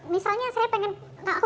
misalnya saya pengen